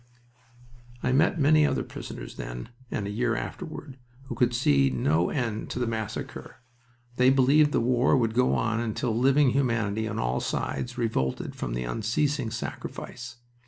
I met many other prisoners then and a year afterward who could see no end of the massacre. They believed the war would go on until living humanity on all sides revolted from the unceasing sacrifice.